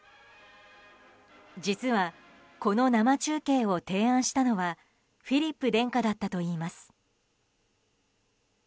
実は、この生中継を提案したのはフィリップ殿下だったといいます。